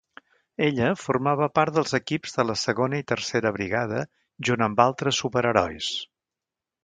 Ella formava part dels equips de la segona i tercera brigada junt amb altres superherois.